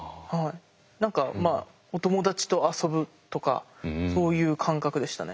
何かお友達と遊ぶとかそういう感覚でしたね。